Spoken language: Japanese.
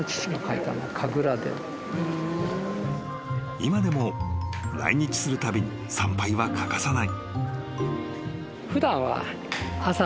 ［今でも来日するたびに参拝は欠かさない］